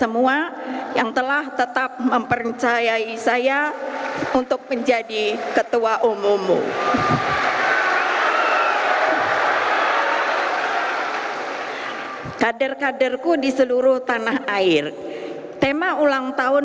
menjadi nomor satu